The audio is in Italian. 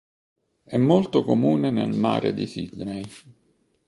È molto comune nel mare di Sydney.